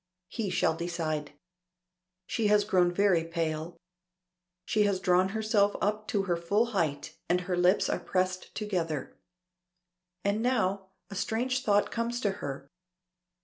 He shall decide. She has grown very pale. She has drawn herself up to her full height, and her lips are pressed together. And now a strange thought comes to her.